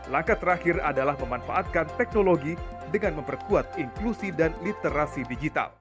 langkah terakhir adalah memanfaatkan teknologi dengan memperkuat inklusi dan literasi digital